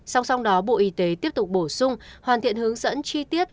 song song đó bộ y tế tiếp tục bổ sung hoàn thiện hướng dẫn chi tiết